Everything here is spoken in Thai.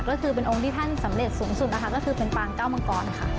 ก็คือเป็นองค์ที่ท่านสำเร็จสูงสุดนะคะก็คือเป็นปางเก้ามังกรค่ะ